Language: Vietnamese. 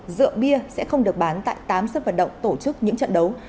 rượu bia sẽ không được bán tại tám sân vận động tổ chức những trận đấu